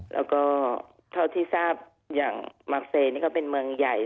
แล้วก็เท่าที่ทราบอย่างมาเฟย์นี่ก็เป็นเมืองใหญ่